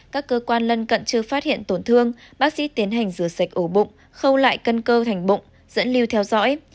các cơ quan lân cận chưa phát hiện tổn thương bác sĩ tiến hành rửa sạch ổ bụng khâu lại căn cơ thành bụng dẫn lưu theo dõi